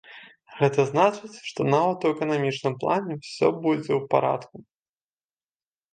Гэта значыць, што нават у эканамічным плане ўсё будзе ў парадку.